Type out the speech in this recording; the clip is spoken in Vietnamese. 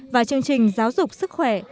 và chương trình giáo dục sức khỏe